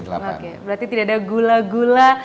oke berarti tidak ada gula gula